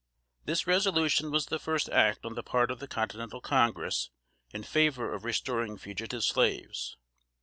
This resolution was the first act on the part of the Continental Congress in favor of restoring fugitive slaves.